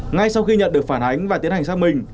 ngay sau khi nhận được phản ánh và tiến hành sang mình